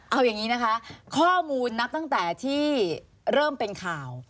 เอาอย่างนี้นะคะข้อมูลนับตั้งแต่ที่เริ่มเป็นข่าว